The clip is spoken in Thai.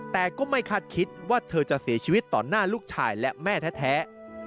แต่ก็ไม่คาดคิดว่าเธอจะเสียชีวิตต่อหน้าลูกชายและแม่แท้